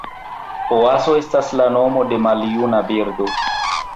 Oazo estas la nomo de maljuna birdo.